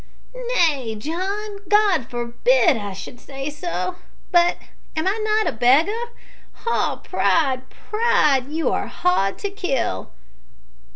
"Nay, John, God forbid that I should say so; but am I not a beggar? Ah pride, pride, you are hard to kill!"